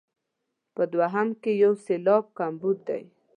په دوهم کې یو سېلاب کمبود دی.